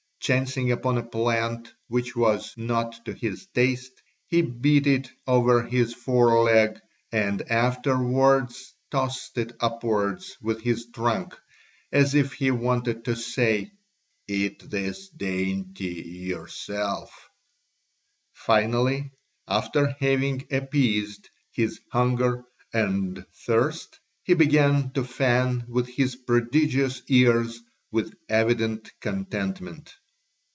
Chancing upon a plant which was not to his taste, he beat it over his fore leg and afterwards tossed it upwards with his trunk, as if he wanted to say, "Eat this dainty yourselves;" finally, after having appeased his hunger and thirst, he began to fan with his prodigious ears with evident contentment.